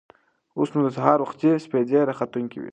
اوس نو د سهار وختي سپېدې راختونکې وې.